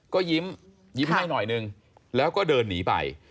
ก็ยิ้มยิ้มให้หน่อยนึงแล้วก็เดินหนีไป